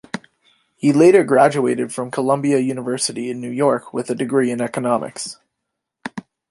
He later graduated from Columbia University in New York with a degree in economics.